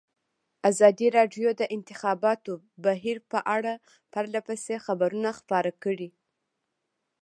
ازادي راډیو د د انتخاباتو بهیر په اړه پرله پسې خبرونه خپاره کړي.